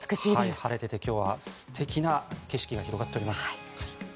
晴れてて今日は素敵な景色になっています。